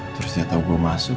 terus dia tau gue masuk